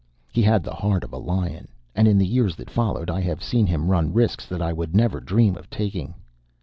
He had the heart of a lion; and in the years that followed I have seen him run risks that I would never dream of taking.